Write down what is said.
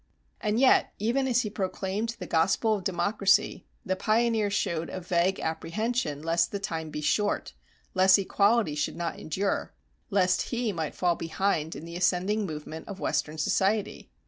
And yet even as he proclaimed the gospel of democracy the pioneer showed a vague apprehension lest the time be short lest equality should not endure lest he might fall behind in the ascending movement of Western society.